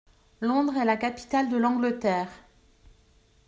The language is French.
Londres est la capitale de l’Angleterre.